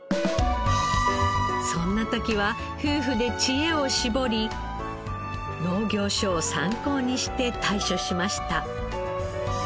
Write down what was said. そんな時は夫婦で知恵を絞り農業書を参考にして対処しました。